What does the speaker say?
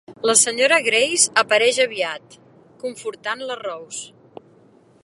La senyora Grace apareix aviat, confortant la Rose.